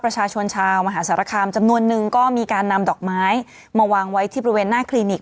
ประชาชนชาวมหาสารคามจำนวนนึงก็มีการนำดอกไม้มาวางไว้ที่บริเวณหน้าคลินิก